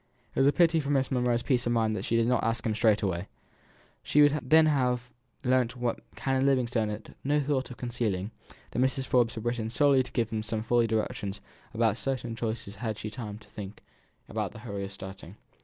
It was a pity for Miss Monro's peace of mind that she did not ask him straight away. She would then have learnt what Canon Livingstone had no thought of concealing, that Mrs. Forbes had written solely to give him some fuller directions about certain charities than she had had time to think about in the hurry of starting.